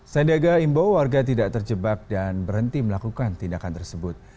sandiaga imbau warga tidak terjebak dan berhenti melakukan tindakan tersebut